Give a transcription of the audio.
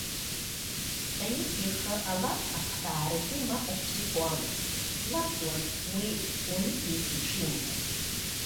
Таиф ихы алаф ахҳәаарагьы мап ацәикуамызт, длафуан уи уаҩытәҩыса ишимбац.